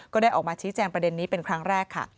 ก็ได้ออกมาชี้แจงประเด็นนี้เป็นครั้งแรกค่ะ